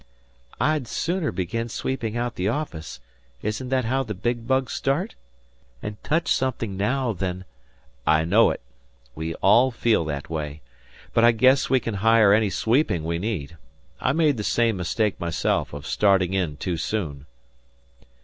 "I'd sooner begin sweeping out the office isn't that how the big bugs start? and touch something now than " "I know it; we all feel that way. But I guess we can hire any sweeping we need. I made the same mistake myself of starting in too soon."